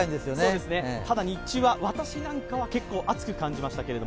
ただ日中は私なんかは暑く感じましたけど